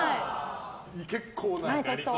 結構な。